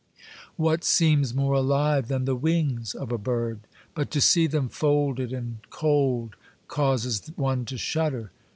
What seems more alive than the wings of a bird? But to see them folded and cold causes one to shudder.